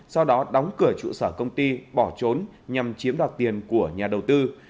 sau đó đóng cửa trụ sở công ty bỏ trốn nhằm chiếm đoạt tiền của nhà đầu tư